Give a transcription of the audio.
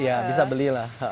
iya bisa belilah